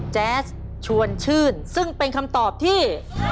แจ๊สชวนชื่นซึ่งเป็นคำตอบที่